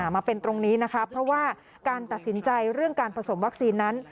มาเป็นตรงนี้นะคะเพราะว่าการตัดสินใจเรื่องการผสมวัคซีนนั้น